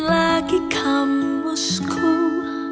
jangan berpikir kayak